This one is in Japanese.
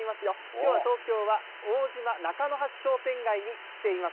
きょうは東京は、大島中の橋商店街に来ています。